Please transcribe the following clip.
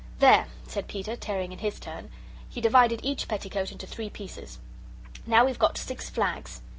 "There!" said Peter, tearing in his turn. He divided each petticoat into three pieces. "Now, we've got six flags."